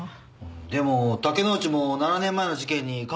でも竹之内も７年前の事件に関係してますよ。